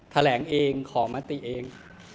แถลงเองขอมติเอง